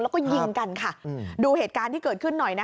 แล้วก็ยิงกันค่ะดูเหตุการณ์ที่เกิดขึ้นหน่อยนะ